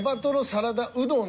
サラダうどん。